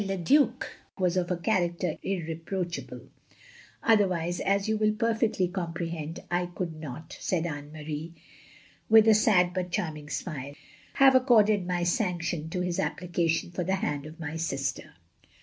le Due was of a character irreproachable; otherwise, as you will perfectly comprehend, I could not," said Anne Marie, with a sad but charming smile, "have^ accorded my sanction to his application for the hand of my sister.